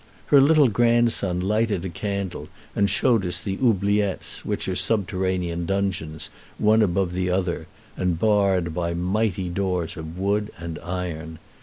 Her little grandson lighted a candle and showed us the oubliettes, which are subterranean dungeons, one above the other, and barred by mighty doors of wood and iron.